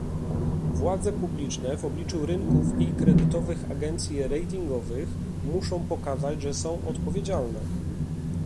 Władze publiczne w obliczu rynków i kredytowych agencji ratingowych muszą pokazać, że są odpowiedzialne